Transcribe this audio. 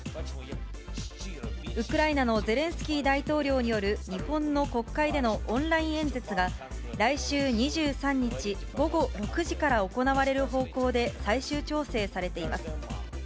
ウクライナのゼレンスキー大統領による日本の国会でのオンライン演説が、来週２３日午後６時から行われる方向で最終調整されています。